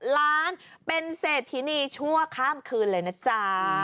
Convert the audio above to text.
๖ล้านเป็นเสร็จที่นี่ชั่วข้ามคืนเลยนะจ๊ะ